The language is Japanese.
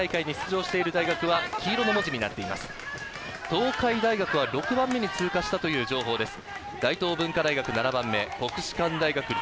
東海大学は６番目に通過したという情報です。